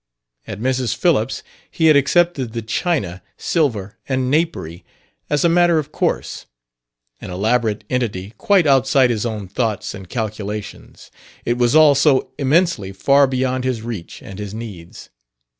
At Mrs. Phillips' he had accepted the china, silver and napery as a matter of course an elaborate entity quite outside his own thoughts and calculations: it was all so immensely far beyond his reach and his needs.